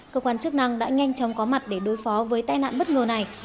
cơ quan chức năng đã nhanh chóng có mặt để đối phó với tai nạn bất ngờ này